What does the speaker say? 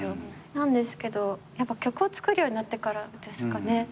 なんですけど曲を作るようになってからですかね。